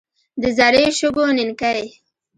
د زري شګو نینکې.